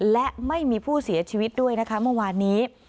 และไม่มีผู้เสียชีวิตด้วยนะคะเมื่อวานนี้